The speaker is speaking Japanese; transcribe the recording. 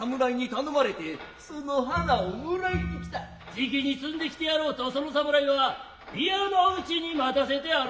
直きに摘んで来てやらうと其の侍は宮の内に待たせてある。